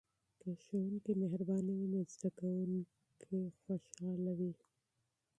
که ښوونکی مهربانه وي نو زده کوونکي خوشحاله وي.